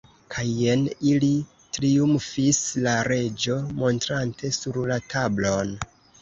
"Kaj jen ili," triumfis la Reĝo, montrante sur la tablon.